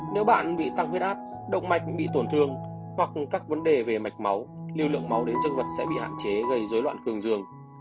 nếu bạn bị tăng huyết áp động mạch bị tổn thương hoặc các vấn đề về mạch máu lưu lượng máu đến thực vật sẽ bị hạn chế gây dối loạn cường dương